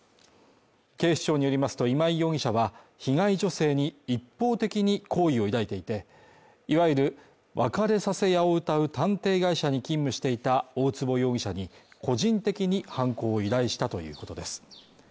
警視庁によりますと今井容疑者は、被害女性に一方的に好意を抱いていて、いわゆる別れさせ屋をうたう探偵会社に勤務していた大坪容疑者に個人的に犯行を依頼したということです。